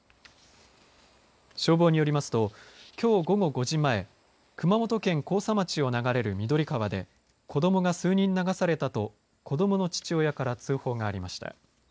消防によりますときょう午後５時前熊本県甲佐町を流れる緑川で子どもが数人流されたと子どもの父親から通報がありました。